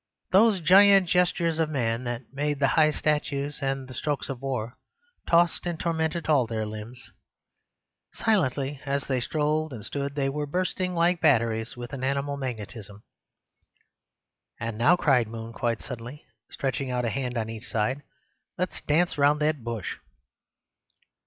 Those giant gestures of Man, that made the high statues and the strokes of war, tossed and tormented all their limbs. Silently as they strolled and stood they were bursting like batteries with an animal magnetism. "And now," cried Moon quite suddenly, stretching out a hand on each side, "let's dance round that bush!"